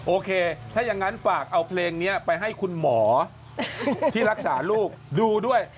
โอเคถ้าอย่างนั้นฝากเอาเพลงนี้ไปให้คุณหมอที่รักษาลูกดูด้วย